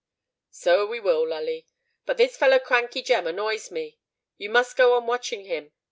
"So we will, Lully. But this fellow Crankey Jem annoys me. You must go on watching him.